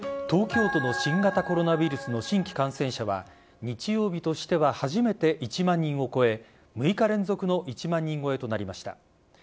東京都の新型コロナウイルスの新規感染者は日曜日としては初めて１万人を超え６日連続の１万人超えとなりました。